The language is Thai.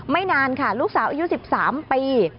นานค่ะลูกสาวอายุ๑๓ปี